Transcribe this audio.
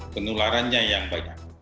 penularannya yang banyak